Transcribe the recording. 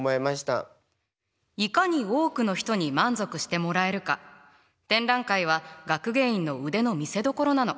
いかに多くの人に満足してもらえるか展覧会は学芸員の腕の見せどころなの。